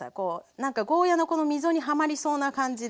なんかゴーヤーのこの溝にはまりそうな感じで。